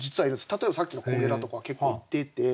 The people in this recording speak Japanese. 例えばさっきのコゲラとかは結構いてて。